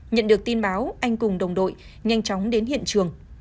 nhận được tin báo anh cùng đồng đội nhanh chóng đến hiện trường